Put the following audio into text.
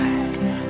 terima kasih wak